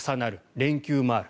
連休もある。